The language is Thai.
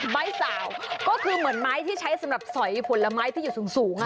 สาวก็คือเหมือนไม้ที่ใช้สำหรับสอยผลไม้ที่อยู่สูง